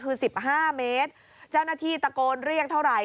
คือ๑๕เมตรเจ้าหน้าที่ตะโกนเรียกเท่าไหร่